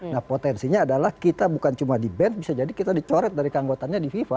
nah potensinya adalah kita bukan cuma di band bisa jadi kita dicoret dari keanggotaannya di fifa